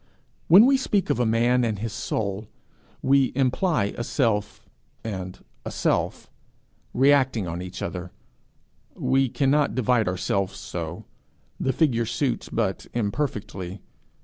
When we speak of a man and his soul, we imply a self and a self, reacting on each other: we cannot divide ourselves so; the figure suits but imperfectly.